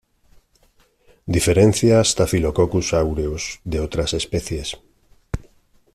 Diferencia Staphylococcus aureus de otras especies.